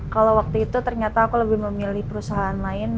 kalau waktu itu ternyata aku lebih memilih perusahaan lain